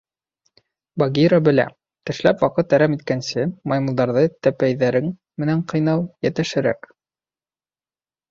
Багира белә: тешләп ваҡыт әрәм иткәнсе, маймылдарҙы тәпәйҙәрең менән ҡыйнау йәтешерәк.